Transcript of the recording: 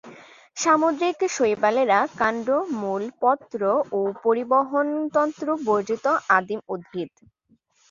সামুদ্রিক শৈবালেরা কান্ড, মূল, পত্র ও পরিবহণতন্ত্র বর্জিত আদিম উদ্ভিদ।